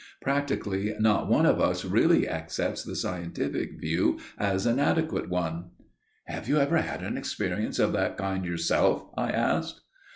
Practically not one of us really accepts the scientific view as an adequate one." "Have you ever had an experience of that kind yourself?" I asked.